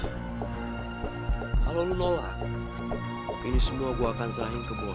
kalau lo nolak ini semua gue akan selahin kebun